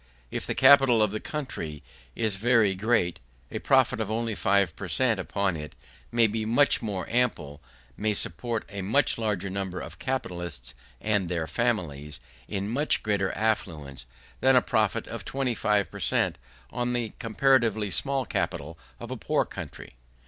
If the capital of the country is very great, a profit of only five per cent upon it may be much more ample, may support a much larger number of capitalists and their families in much greater affluence, than a profit of twenty five per cent on the comparatively small capital of a poor country.